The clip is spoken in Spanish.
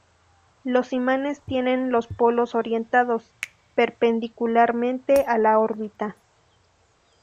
Los imanes tienen los polos orientados perpendicularmente a la órbita.